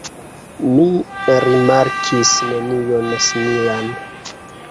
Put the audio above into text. Mi rimarkis nenion similan.